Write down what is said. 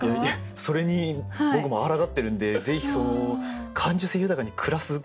それに僕もあらがってるんでぜひその感受性豊かに暮らすコツを。